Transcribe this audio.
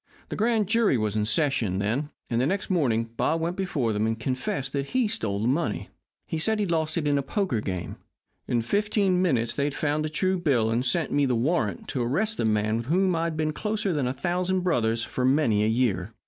The grand jury was in session then, and the next morning Bob went before them and confessed that he stole the money. He said he lost it in a poker game. In fifteen minutes they had found a true bill and sent me the warrant to arrest the man with whom I'd been closer than a thousand brothers for many a year.